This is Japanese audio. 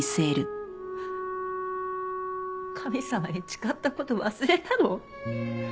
神様に誓った事忘れたの？